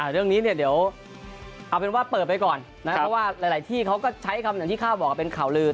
เรื่องนี้เดี๋ยวเอาเป็นว่าเปิดไปก่อนเพราะว่าหลายที่เขาก็ใช้คำที่ข้าวบอกเป็นข่าวลืด